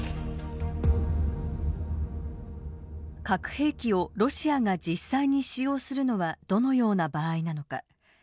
核兵器をロシアが実際に使用するのはどのような場合なのか。